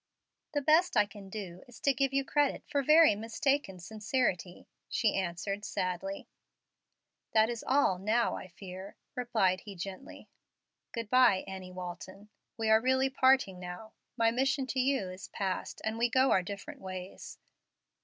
"The best I can do is to give you credit for very mistaken sincerity," she answered, sadly. "That is all now, I fear," replied he, gently. "Good by, Annie Walton. We are really parting now. My mission to you is past, and we go our different ways.